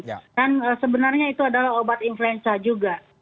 dan sebenarnya itu adalah obat influenza juga